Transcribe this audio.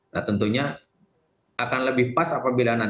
nah tentunya akan lebih pas apabila nanti ditanyakan kepada